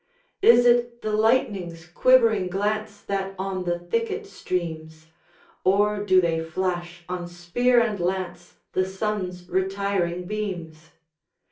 Is it the lightning's quivering glance That on the thicket streams, Or do they flash on spear and lance The sun's retiring beams?